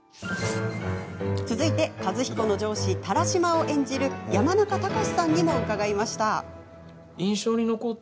続いて、和彦の上司田良島を演じる山中崇さんにも伺いました。